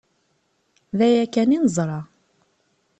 D aya kan i neẓra.